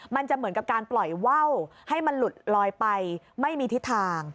มันจะเหมือนกับการปล่อยว่าวให้มันหลุดลอยไปไม่มีทิศทาง